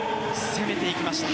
攻めていきました。